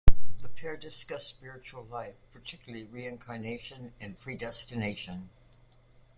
The pair discussed spiritual life, particularly reincarnation and predestination.